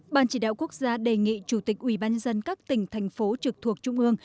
ban chỉ đạo quốc gia đề nghị chủ tịch ubnd các tỉnh thành phố trực thuộc trung ương